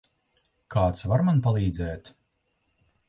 Kāds var man palīdzēt?